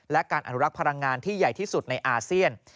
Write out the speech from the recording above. และการอนุรักษ์พลังงานที่ใหญ่ที่สุดในอาเซียน